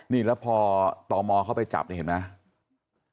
นี่แล้วพอตมเข้าไปจับที่กดพาดดูได้ไหม